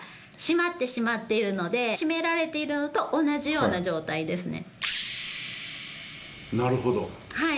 絞められているのと同じような状態ですね。